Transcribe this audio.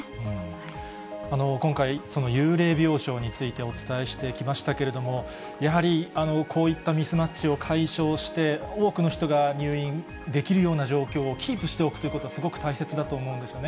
今回、その幽霊病床についてお伝えしてきましたけれども、やはりこういったミスマッチを解消して、多くの人が入院できるような状況をキープしておくということはすごく大切だと思うんですよね。